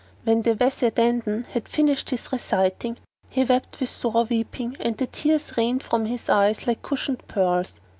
When the Wazir Dandan had finished his reciting, he wept with sore weeping and the tears rained from his eyes like cushioned pearls.